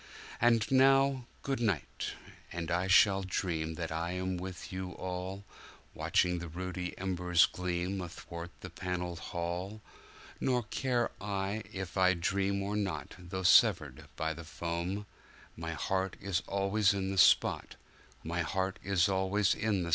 And now, good night! and I shall dream that I am with you all, Watching the ruddy embers gleam athwart the panelled hall; Nor care I if I dream or not, though severed by the foam, My heart is always in the spot which was my childhood's home.